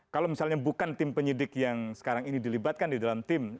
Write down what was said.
kalau misalnya bukan tim penyidik yang sekarang ini dilibatkan di dalam tim